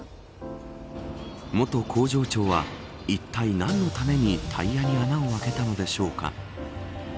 元工場長は、いったい何のためにタイヤに穴をあけたのでしょうか。